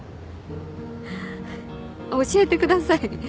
教えてください。